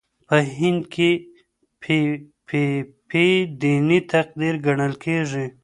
په هند کې پي پي پي دیني تقدیر ګڼل کېږي.